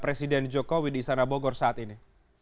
presiden joko widodo di istana bogor saat ini